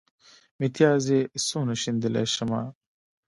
متيازې څونه شيندلی شمه.